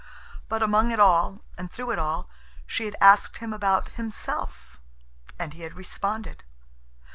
But among it all, and through it all, she had asked him about himself. And he had responded.